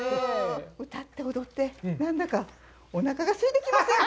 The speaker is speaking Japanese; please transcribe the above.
歌って踊って、何だかおなかがすいてきませんか？